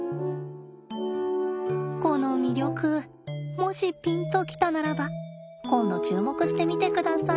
この魅力もしピンと来たならば今度注目してみてください。